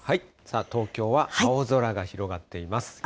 東京は青空が広がっています。